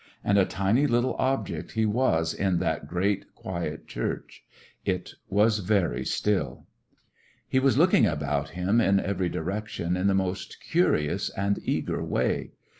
And a tiny little ob ject he was in that great, quiet church. It was very still. He was looking about him in every direc tion in the most curious and eager way.